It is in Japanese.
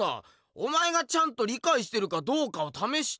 お前がちゃんとりかいしてるかどうかをためして。